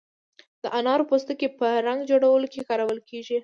د انارو پوستکی په رنګ جوړولو کې کارول کیږي.